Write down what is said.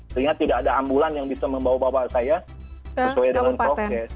sehingga tidak ada ambulan yang bisa membawa bapak saya sesuai dengan prokes